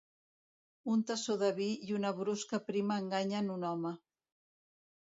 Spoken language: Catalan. Un tassó de vi i una brusca prima enganyen un home.